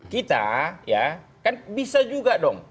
kita ya kan bisa juga dong